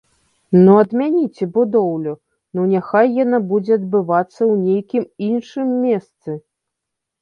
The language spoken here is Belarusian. Ну адмяніце будоўлю, ну няхай яна будзе адбывацца ў нейкім іншым месцы.